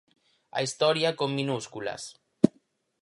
A historia con minúsculas.